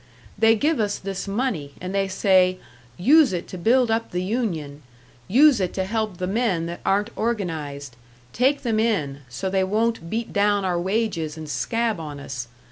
They give us this money, and they say, 'Use it to build up the union. Use it to help the men that aren't organised take them in, so they won't beat down our wages and scab on us.